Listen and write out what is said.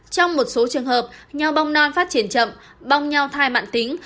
trong một số trường hợp nho bong non phát triển chậm bong nho thai mặn tính